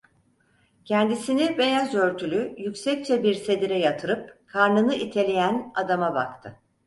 Kendisini beyaz örtülü, yüksekçe bir sedire yatırıp karnını iteleyen adama baktı.